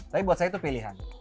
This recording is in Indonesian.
tapi buat saya itu pilihan